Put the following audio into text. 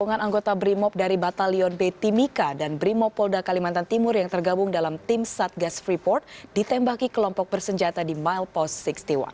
pengurangan anggota brimob dari batalion b timika dan brimopolda kalimantan timur yang tergabung dalam tim satgas freeport ditembaki kelompok bersenjata di milepost enam puluh satu